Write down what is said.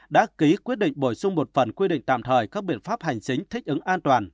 đã ký quyết định bổ sung một phần quy định tạm thời các biện pháp hành chính thích ứng an toàn